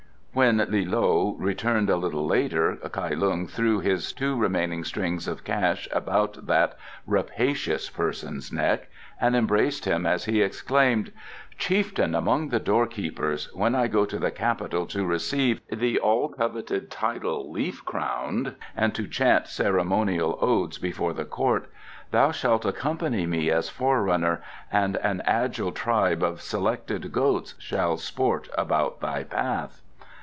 When Li loe returned a little later Kai Lung threw his two remaining strings of cash about that rapacious person's neck and embraced him as he exclaimed: "Chieftain among doorkeepers, when I go to the Capital to receive the all coveted title 'Leaf crowned' and to chant ceremonial odes before the Court, thou shalt accompany me as forerunner, and an agile tribe of selected goats shall sport about thy path."